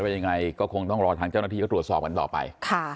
ยังไงก็คงต้องรอทางเจ้าหน้าที่เขาตรวจสอบกันต่อไป